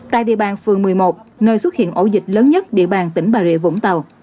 tại địa bàn phường một mươi một nơi xuất hiện ổ dịch lớn nhất địa bàn tỉnh bà rịa vũng tàu